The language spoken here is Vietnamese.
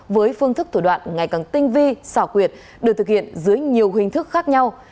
với phương thức thủ đoạn ngày càng tinh vi xảo quyệt được thực hiện dưới nhiều hình thức khác nhau